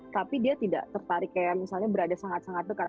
tapi dia tidak tertarik misalnya berada sangat dekat